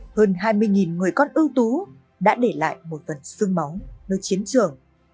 hơn hai mươi người con ưu tú đã để lại một phần sương máu nơi chiến trường